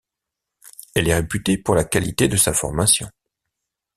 Elle est réputée pour la qualité de sa formation.